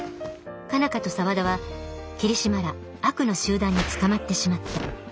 佳奈花と沢田は桐島ら悪の集団に捕まってしまった。